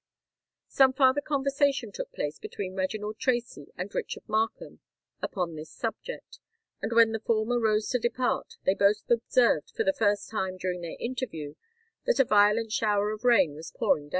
Some farther conversation took place between Reginald Tracy and Richard Markham upon this subject, and when the former rose to depart, they both observed, for the first time during their interview, that a violent shower of rain was pouring down.